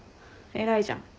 偉いじゃん。